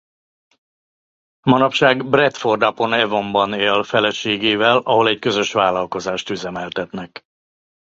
Manapság Bradford-upon-Avon-ban él feleségével ahol egy közös vállalkozást üzemeltetnek.